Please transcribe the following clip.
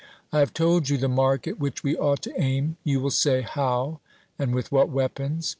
I have told you the mark at which we ought to aim. You will say, How, and with what weapons?